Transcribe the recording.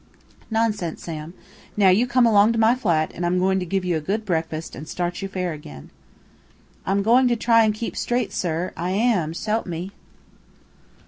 "Nonsense Sam. Now you come along to my flat, and I'm going to give you a good breakfast and start you fair again." "I'm going to try and keep straight, sir, I am s'help me!"